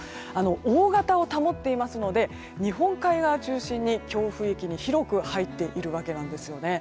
大型を保っていますので日本海側中心に強風域に広く入っているわけなんです。